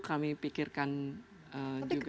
kami pikirkan juga